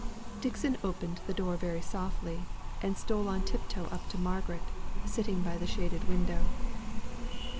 Dixon opened the door very softly, and stole on tiptoe up to Margaret, sitting by the shaded window.